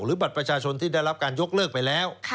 บัตรประชาชนที่ได้รับการยกเลิกไปแล้ว